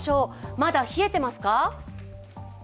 まだ冷えてますか？